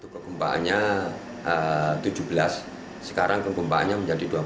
kekempaannya tujuh belas sekarang kekempaannya menjadi dua puluh sembilan